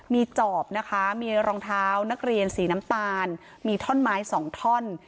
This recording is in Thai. มีจอบนะคะมีรองเท้านักเรียนสีน้ำตาลมีท่อนไม้สองท่อน